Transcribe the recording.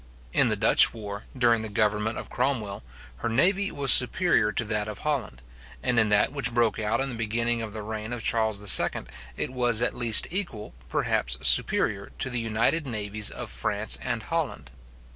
In the Dutch war, during the government of Cromwell, her navy was superior to that of Holland; and in that which broke out in the beginning of the reign of Charles II., it was at least equal, perhaps superior to the united navies of France and Holland.